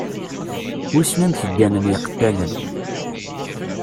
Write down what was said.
Wissen amek gganen yiqettalen?